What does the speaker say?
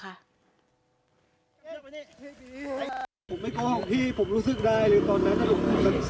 ผมไม่โกหกพี่ผมรู้สึกได้เลยตอนนั้นถ้าผมสะกิดสะกิดตรงนี้เนี่ยพี่